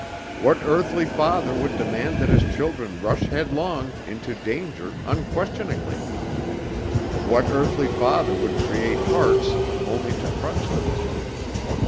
What earthly father would demand that his children rush headlong into danger unquestioningly? What earthly father would create hearts only to crush them?